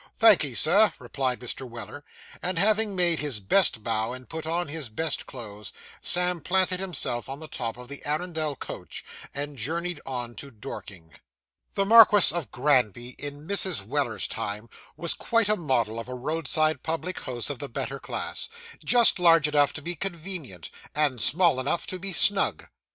'Thank'ee, Sir,' replied Mr. Weller; and having made his best bow, and put on his best clothes, Sam planted himself on the top of the Arundel coach, and journeyed on to Dorking. The Marquis of Granby, in Mrs. Weller's time, was quite a model of a roadside public house of the better class just large enough to be convenient, and small enough to be snug.